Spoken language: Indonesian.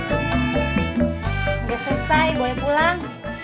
udah selesai boleh pulang